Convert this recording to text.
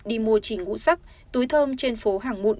đi mua chỉn ngũ sắc túi thơm trên phố hàng mụn